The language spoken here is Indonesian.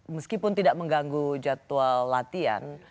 meskipun tidak mengganggu jadwal latihan